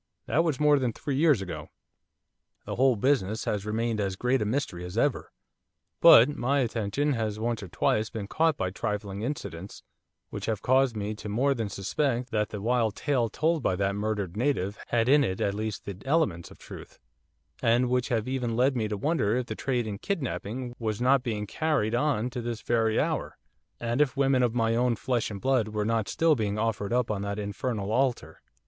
That was more than three years ago. The whole business has remained as great a mystery as ever. But my attention has once or twice been caught by trifling incidents, which have caused me to more than suspect that the wild tale told by that murdered native had in it at least the elements of truth; and which have even led me to wonder if the trade in kidnapping was not being carried on to this very hour, and if women of my own flesh and blood were not still being offered up on that infernal altar.